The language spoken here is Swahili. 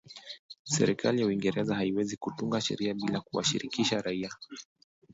Serikali ya Uingereza haiwezi kutunga sheria bila kuwashirikisha raia